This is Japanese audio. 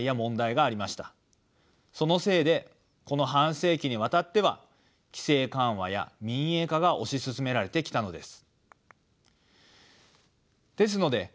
そのせいでこの半世紀にわたっては規制緩和や民営化が押し進められてきたのです。